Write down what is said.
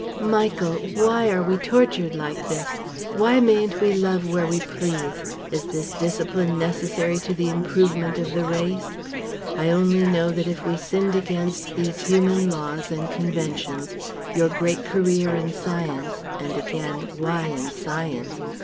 "Michael! why are we tortured like this? Why mayn't we love where we please? Is this discipline necessary to the improvement of the race? I only know that if we sinned against these human laws and conventions, your great career in Science and again, why in Science?